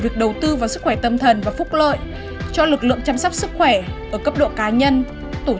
việc đầu tư vào sức khỏe tâm thần và phúc lợi cho lực lượng chăm sóc sức khỏe ở cấp độ cá nhân tổ chức